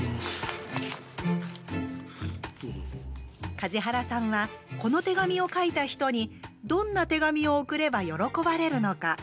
梶原さんはこの手紙を書いた人にどんな手紙を送れば喜ばれるのか。